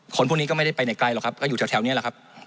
คนพวกนี้ก็ไม่ได้ไปไหนไกลหรอกครับก็อยู่แถวนี้แหละครับ